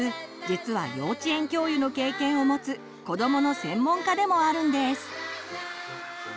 実は幼稚園教諭の経験をもつ子どもの専門家でもあるんです。